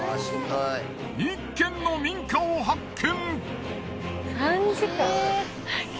１軒の民家を発見！